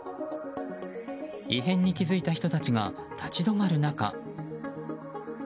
異変に気付いた人たちが立ち止まる中。